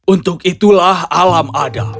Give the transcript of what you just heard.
untuk itulah alam ada